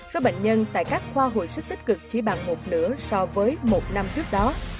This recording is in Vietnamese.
số bệnh nhân tại các khoa hồi sức tích cực chỉ bằng một nửa so với một năm trước đó